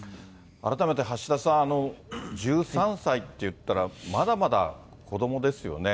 改めて橋田さん、１３歳っていったらまだまだ子どもですよね。